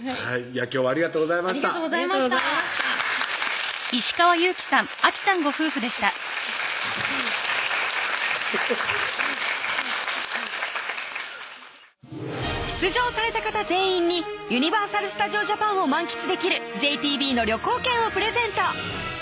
今日はありがとうございましたありがとうございましたフフッ出場された方全員にユニバーサル・スタジオ・ジャパンを満喫できるＪＴＢの旅行券をプレゼント